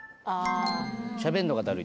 しゃべんのがだるい？